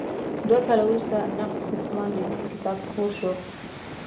دوه کاله وروسته د «نقد ګفتمان دیني» کتاب خپور شو.